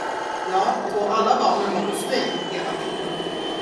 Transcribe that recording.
Ja, och alla barnen var hos mig hela tiden.